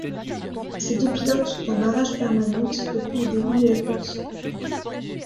Ces deux pilotes sont en bagarre permanente depuis le début de la course.